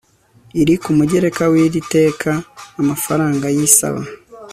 iri ku mugereka w iri teka Amafaranga y isaba